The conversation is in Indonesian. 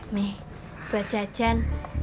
nih buat jajan